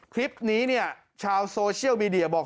คลิปนี้เนี่ยชาวโซเชียลมีเดียบอก